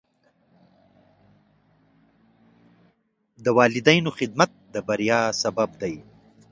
د والدینو خدمت د بریا سبب دی.